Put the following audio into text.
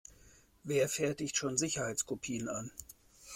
Wer fertigt schon Sicherheitskopien an?